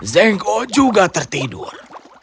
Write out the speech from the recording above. zengko juga tertidur